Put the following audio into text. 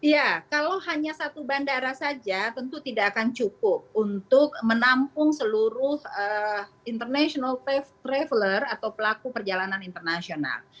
ya kalau hanya satu bandara saja tentu tidak akan cukup untuk menampung seluruh international traveler atau pelaku perjalanan internasional